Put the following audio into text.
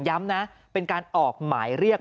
ย้ำนะเป็นการออกหมายเรียก